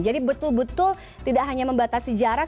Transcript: jadi betul betul tidak hanya membatasi jarak